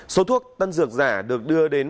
số thuốc tân dược giả được đưa đến